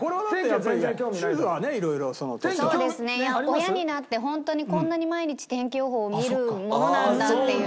親になってホントにこんなに毎日天気予報を見るものなんだっていう。